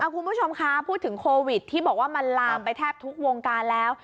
คุณผู้ชมคะพูดถึงโควิดที่บอกว่ามันลามไปแทบทุกวงการแล้ว